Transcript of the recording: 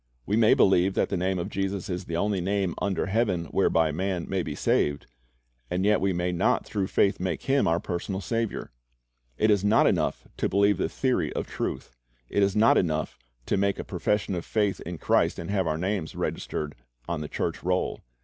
We may believe that the name of Jesus is the only name under heaven whereby man may be saved, and yet we may not through faith make Him our personal Saviour. It is not enough to believe the theory of truth. It is not enough to make a profession of faith in Christ and have our names registered on the church roll.